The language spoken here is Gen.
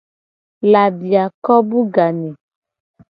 Labiako bu ga nye.